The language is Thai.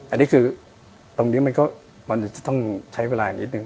อันนี้คือตรงนี้มันก็มันจะต้องใช้เวลาอีกนิดนึง